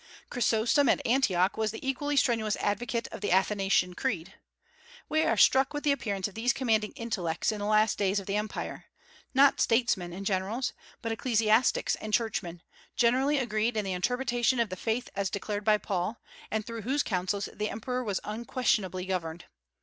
Chrysostom at Antioch was the equally strenuous advocate of the Athanasian Creed. We are struck with the appearance of these commanding intellects in the last days of the Empire, not statesmen and generals, but ecclesiastics and churchmen, generally agreed in the interpretation of the faith as declared by Paul, and through whose counsels the emperor was unquestionably governed.